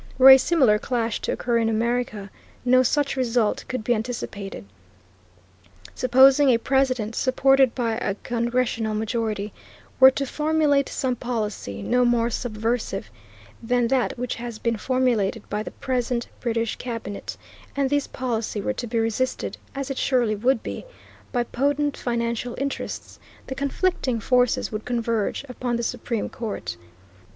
Were a similar clash to occur in America no such result could be anticipated. Supposing a President, supported by a congressional majority, were to formulate some policy no more subversive than that which has been formulated by the present British Cabinet, and this policy were to be resisted, as it surely would be, by potent financial interests, the conflicting forces would converge upon the Supreme Court.